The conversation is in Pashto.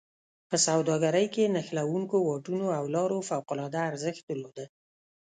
په سوداګرۍ کې نښلوونکو واټونو او لارو فوق العاده ارزښت درلوده.